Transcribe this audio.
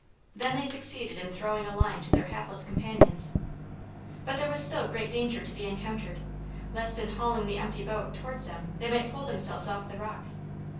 They then succeeded in throwing a line to their hapless companions. But there was still great danger to be encountered, lest in hauling the empty boat towards them they might pull themselves off the rock.